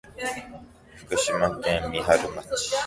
福島県三春町